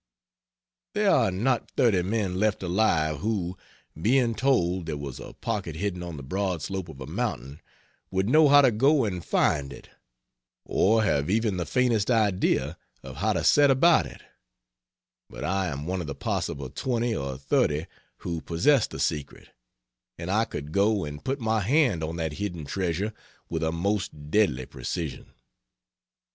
There are not thirty men left alive who, being told there was a pocket hidden on the broad slope of a mountain, would know how to go and find it, or have even the faintest idea of how to set about it; but I am one of the possible 20 or 30 who possess the secret, and I could go and put my hand on that hidden treasure with a most deadly precision.